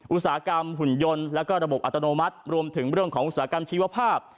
อุตสาหกรรมหุ่นยนต์แล้วก็ระบบอัตโนมัติรวมถึงเรื่องของอุตสาหกรรมชีวภาพ